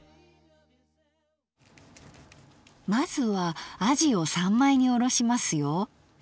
まずはあじを三枚におろしますよ！